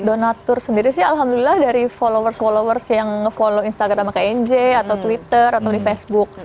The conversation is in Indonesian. donatur sendiri sih alhamdulillah dari followers followers yang nge follow instagram sama kayak nj atau twitter atau di facebook